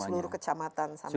pada seluruh kecamatan